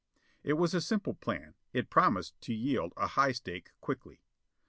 It was a simple plan; it promised to yield a high stake quickly.